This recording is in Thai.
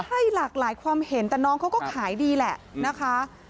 ให้หลากหลายความเห็นแต่น้องเขาก็ขายดีแหละนะคะ